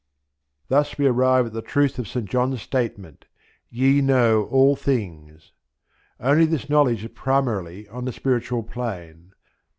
Thus we arrive at the truth of St. John's statement, "Ye know all things," only this knowledge is primarily on the spiritual plane.